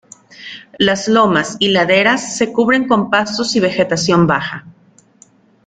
Las lomas y laderas se cubren con pastos y vegetación baja.